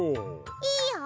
いいよ！